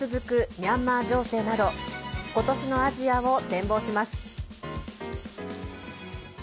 ミャンマー情勢など今年のアジアを展望します。